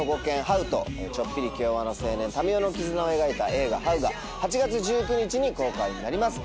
ハウとちょっぴり気弱な青年民夫の絆を描いた映画『ハウ』が８月１９日に公開になります。